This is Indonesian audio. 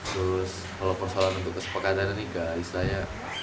terus kalau persoalan untuk kesepakatan nikah istilahnya